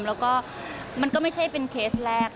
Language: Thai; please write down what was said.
แล้วก็มันก็ไม่ใช่เป็นเคสแรก